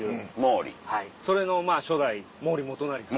はいそれの初代毛利元就さん。